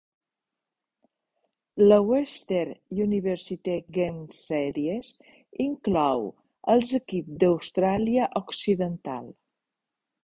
La Western University Games Series inclou els equips d'Austràlia Occidental.